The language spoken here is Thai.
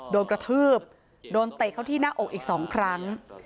โดนกระทืบโดนเตะเข้าที่หน้าอกอีก๒ครั้ง